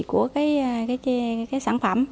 của sản phẩm